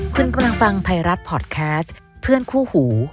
คุณกำลังฟังไทยรัฐพอร์ตแคสต์เพื่อนคู่หู